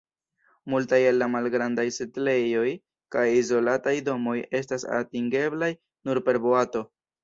Multaj el la malgrandaj setlejoj kaj izolataj domoj estas atingeblaj nur per boato.